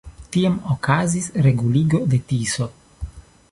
Tiam okazis reguligo de Tiso.